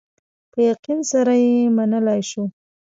په یقین سره یې منلای شو.